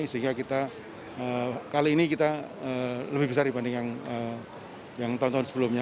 sehingga kali ini kita lebih besar dibandingkan tahun tahun sebelumnya